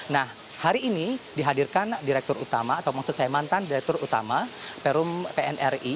nah hari ini dihadirkan direktur utama atau maksud saya mantan direktur utama perum pnri